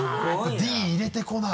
「Ｄ」入れてこない。